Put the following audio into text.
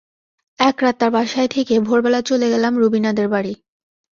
একরাত তার বাসায় থেকে ভোরবেলা চলে গেলাম রুবিনাদের বাড়ি।